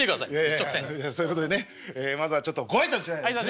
そういうことでねまずはちょっとご挨拶しないとですね。